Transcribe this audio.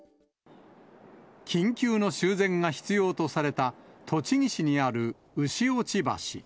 緊急の修繕が必要とされた栃木市にある牛落橋。